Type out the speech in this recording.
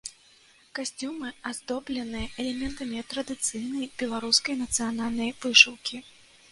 Касцюмы аздобленыя элементамі традыцыйнай беларускай нацыянальнай вышыўкі.